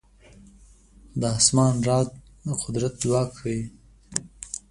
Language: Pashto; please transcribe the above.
د اسمان رعد د قدرت ځواک ښيي.